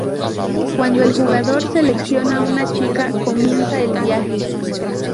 Cuando el jugador selecciona una chica, comienza el viaje.